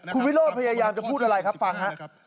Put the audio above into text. คุณวิโรธพยายามจะพูดอะไรครับฟังฮะ